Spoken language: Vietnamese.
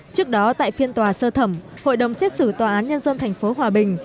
trước đó tại phiên tòa sơ thẩm hội đồng xét xử tòa án nhân dân tp hòa bình